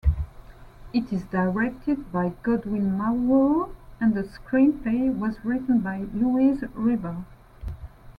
It is directed by Godwin Mawuru and the screenplay was written by Louise Riber.